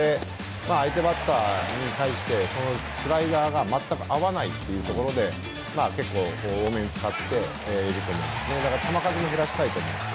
相手バッターに対してスライダーがまったく合わないというところで多めに使っていると思います。